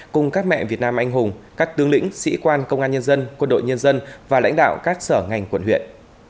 cùng các mẹ việt nam anh hùng các tướng lĩnh sĩ quan công an nhân dân quân đội nhân dân và lãnh đạo các sở ngành quận huyện